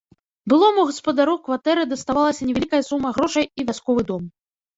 Былому гаспадару кватэры даставалася невялікая сума грошай і вясковы дом.